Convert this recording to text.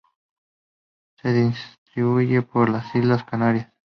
Se distribuye por las islas Canarias.